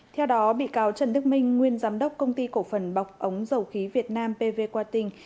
theo đó bị cáo trần đức minh nguyên giám đốc công ty cổ phần bọc ống dầu khí việt nam pv quạt tình